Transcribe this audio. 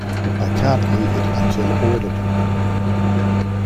I can't leave it until ordered.